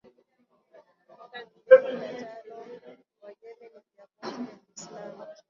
mwaka elfu mbili kumi na tano Uajemi ni Jamhuri ya Kiislamu